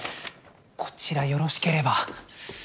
こちらよろしければ。